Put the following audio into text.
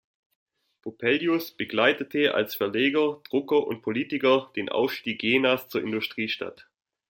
Vopelius begleitete als Verleger, Drucker und Politiker den Aufstieg Jenas zur Industriestadt.